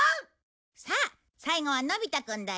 さあ最後はのび太くんだよ。